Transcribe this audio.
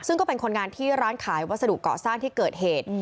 ซึ่งก็เป็นคนงานที่ร้านขายวัสดุเกาะสร้างที่เกิดเหตุ